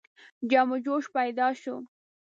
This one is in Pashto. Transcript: جم و جوش پیدا شو.